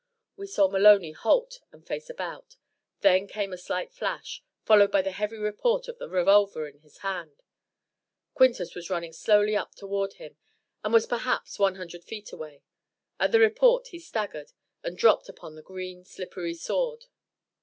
We saw Maloney halt and face about. Then came a slight flash, followed by the heavy report of the revolver in his hand. Quintus was running slowly up toward him and was perhaps one hundred feet away. At the report he staggered, and dropped upon the green, slippery sward.